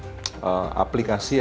saya baru masuk ke dalam aplikasi ini